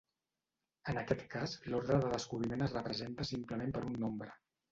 En aquest cas, l'ordre de descobriment es representa simplement per un nombre.